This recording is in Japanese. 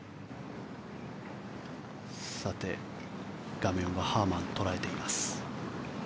画面はハーマンを捉えています。